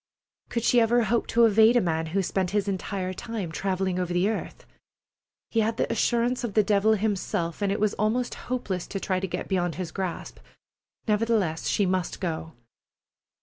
Could she ever hope to evade a man who spent his entire time travelling over the earth? He had the assurance of the devil himself, and it was almost hopeless to try to get beyond his grasp. Nevertheless, she must go.